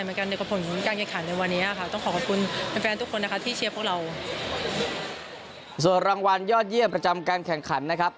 เหมือนกันในกระพำของการแข่งขันในวันนี้ค่ะต้องขอขอบคุณเป็นแฟนทุกคนนะคะที่เชียร์พวกเราส่วนรางวัลยอดเยี่ยมประจำการแข่งขันนะครับ